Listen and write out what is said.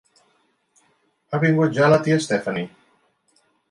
Ha vingut ja la tia Stephanie?